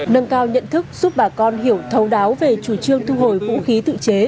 nâng cao nhận thức giúp bà con hiểu thấu đáo về chủ trương thu hồi vũ khí tự chế